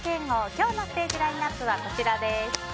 今日のステージラインアップはこちらです。